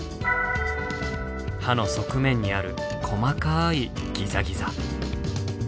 歯の側面にある細かいギザギザ。